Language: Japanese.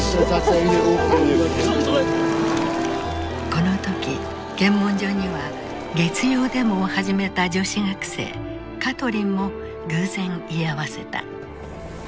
この時検問所には月曜デモを始めた女子学生カトリンも偶然居合わせた。